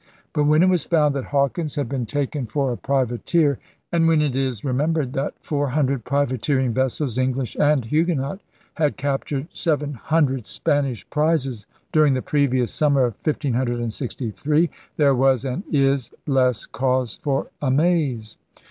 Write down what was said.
But when it was found that Hawkins had been taken for a privateer, and when it is remembered that four hundred privateering vessels — English and Huguenot — had captured seven hundred Span ish prizes during the previous summer of 1563, there was and is less cause for 'amaze.'